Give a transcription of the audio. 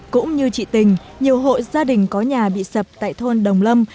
cũng như chị tình nhiều hộ gia đình có nhà bị sập tại thôn đồng lâm